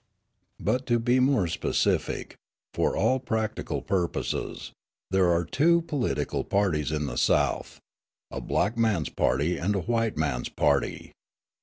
But, to be more specific, for all practical purposes, there are two political parties in the South, a black man's party and a white man's party.